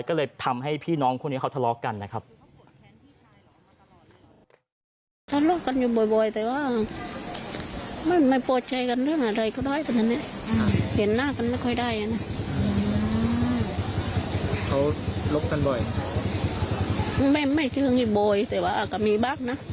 ก็เลยทำให้พี่น้องคู่นี้เขาทะเลาะกันนะครับ